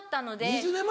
２０年前？